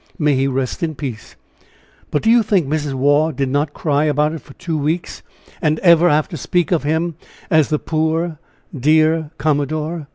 May he rest in peace. But do you think Mrs. Waugh did not cry about it for two weeks, and ever after speak of him as the poor, dear commodore?